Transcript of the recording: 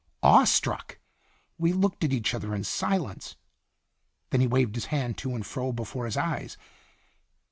Awe struck, we looked at each other in silence. Then he waved his hand to and fro before his eyes.